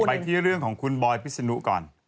ไปที่เรื่องของคุณบอยพิษนุก่อน